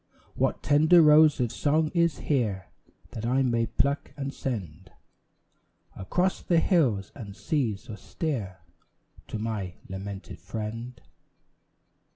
What tender rose of song is here That I may pluck and send Across the hills and seas austere To my lamented friend?